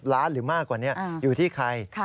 ล้านหรือมากกว่านี้อยู่ที่ใคร